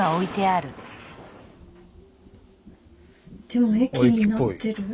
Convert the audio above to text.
でも駅になってる。